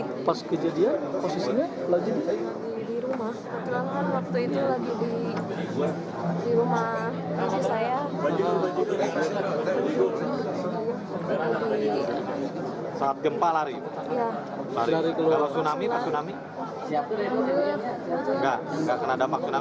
enggak enggak kena dampak tsunami di sana